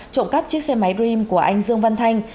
trộm cắp chiếc xe máy dream của anh dương văn thanh